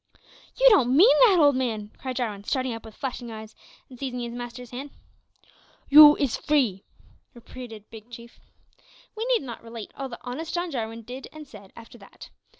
"You don't mean that, old man?" cried Jarwin, starting up with flashing eyes and seizing his master's hand. "You is free!" repeated Big Chief. We need not relate all that honest John Jarwin said and did after that.